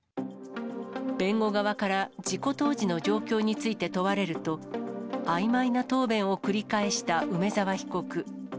弁護側から事故当時の状況について問われると、あいまいな答弁を繰り返した梅沢被告。